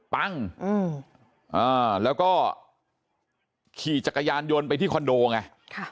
ปั้งแล้วก็ขี่จักรยานยนต์ไปที่คอนโดไง